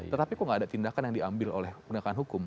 tetapi kok tidak ada tindakan yang diambil oleh penegakan hukum